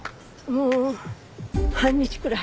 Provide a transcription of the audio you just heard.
もう半日くらい。